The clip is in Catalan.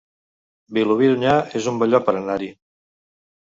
Vilobí d'Onyar es un bon lloc per anar-hi